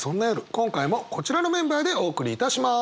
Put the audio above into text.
今回もこちらのメンバーでお送りいたします。